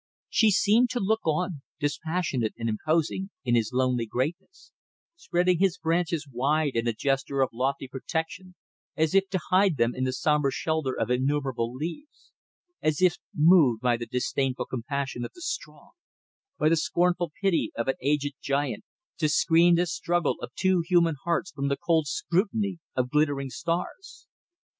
He seemed to look on, dispassionate and imposing, in his lonely greatness, spreading his branches wide in a gesture of lofty protection, as if to hide them in the sombre shelter of innumerable leaves; as if moved by the disdainful compassion of the strong, by the scornful pity of an aged giant, to screen this struggle of two human hearts from the cold scrutiny of glittering stars.